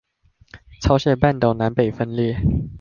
朝鮮半島南北分裂